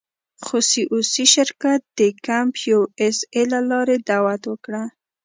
خو سي او سي شرکت د کمپ یو اس اې له لارې دعوه وکړه.